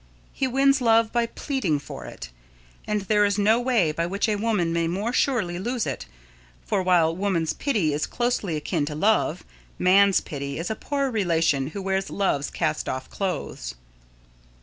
He wins love by pleading for it, and there is no way by which a woman may more surely lose it, for while woman's pity is closely akin to Love, man's pity is a poor relation who wears Love's cast off clothes.